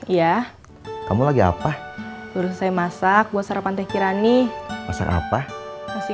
iya kamu lagi apa baru saya masak buat sarapan teh kirani masak apa masih